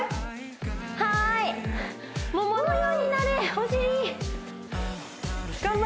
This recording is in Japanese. はーい桃のようになれお尻！